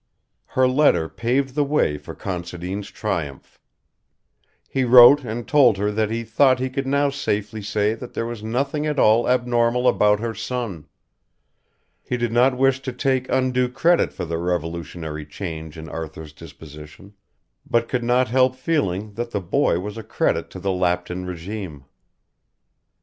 Her letter paved the way for Considine's triumph. He wrote and told her that he thought he could now safely say that there was nothing at all abnormal about her son. He did not wish to take undue credit for the revolutionary change in Arthur's disposition, but could not help feeling that the boy was a credit to the Lapton regime.